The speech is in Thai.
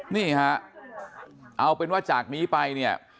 นี่ฮะเอาเป็นว่าจากนี้ไปเนี่ย